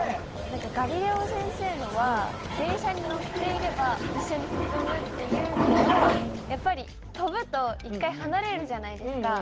何かガリレオ先生のは電車に乗っていれば一緒に進むっていうけどやっぱり跳ぶと１回離れるじゃないですか。